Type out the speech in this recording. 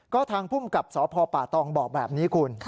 ก็ทางพุ่มกับสพปตบอกแบบนี้คุณ